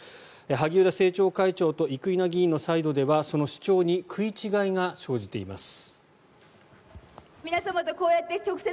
萩生田政調会長と生稲議員のサイドではその主張に食い違いが生じています。